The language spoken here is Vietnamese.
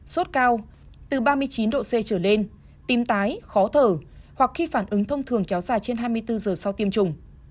sốt cao từ ba mươi chín độ c trở lên tim tái khó thở hoặc khi phản ứng thông thường kéo dài trên hai mươi bốn giờ sau tiêm chủng